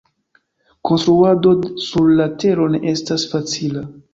Konstruado sur la tero ne estas facila.